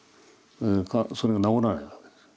それが治らないわけです。